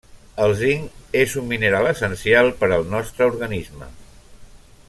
El zinc és un mineral essencial per al nostre organisme.